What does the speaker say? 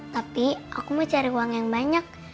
tapi aku mau cari uang yang banyak